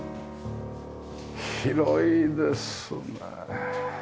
広いですね。